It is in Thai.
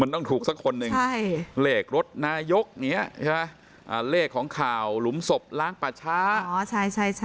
คุณต้องถูกสักคนนึงเลขรถนายกเลขของข่าวหลุมศพล้างป่าช้า